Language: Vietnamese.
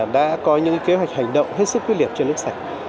đã có những kế hoạch hành động hết sức quyết liệt cho nước sạch